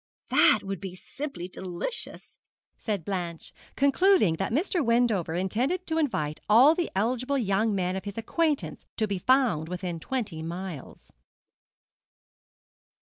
'That would be simply delicious,' said Blanche, concluding that Mr. Wendover intended to invite all the eligible young men of his acquaintance to be found within twenty miles.